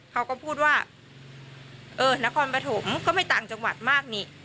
เขาก็พูดว่าเออนครปฐมก็ไม่ต่างจังหวัดมากนี่